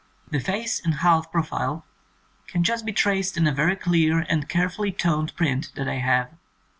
The face in half pro file can just be traced in a very clear and carefully toned print that I have.